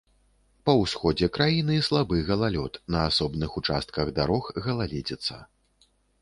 Па ўсходзе краіны слабы галалёд, на асобных участках дарог галаледзіца.